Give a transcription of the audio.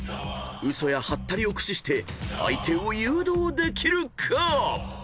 ［嘘やハッタリを駆使して相手を誘導できるか⁉］